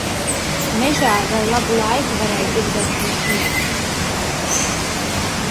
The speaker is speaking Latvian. Mežā vēl labu laiku varēja dzirdēt viņu smieklus.